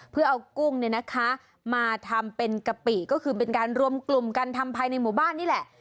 เพื่อเอากุ้งเนี่ยนะคะมาทำเป็นกะปิก็คือเป็นการรวมกลุ่มกันทำภายในหมู่บ้านนี่แหละ